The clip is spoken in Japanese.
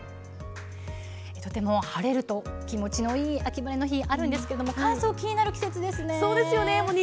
とても晴れると、気持ちのいい秋晴れの日あるんですけど乾燥、気になる季節ですね。